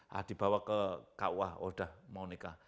nah dibawa ke kuah oh udah mau nikah